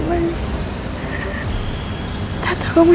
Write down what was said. masih ragu pak